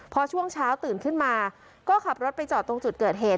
พอช่วงเช้าตื่นขึ้นมาก็ขับรถไปจอดตรงจุดเกิดเหตุ